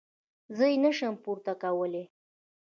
زه يې نه شم پورته کولاى.